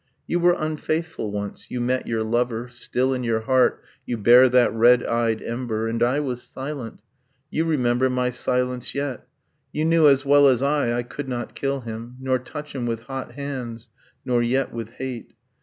You were unfaithful once, you met your lover; Still in your heart you bear that red eyed ember; And I was silent, you remember my silence yet ... You knew, as well as I, I could not kill him, Nor touch him with hot hands, nor yet with hate.